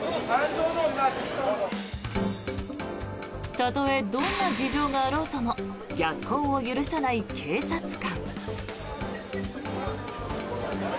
たとえどんな事情があろうとも逆行を許さない警察官。